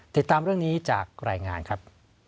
ติดตามเรื่องนี้จากรายงานครับ